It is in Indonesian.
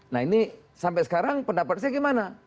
nah ini sampai sekarang pendapat saya gimana